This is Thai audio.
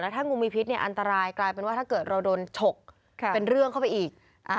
ถ้างูมีพิษเนี่ยอันตรายกลายเป็นว่าถ้าเกิดเราโดนฉกเป็นเรื่องเข้าไปอีก